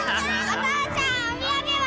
お父ちゃんお土産は？